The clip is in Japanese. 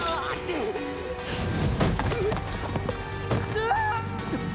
「うわーっ！」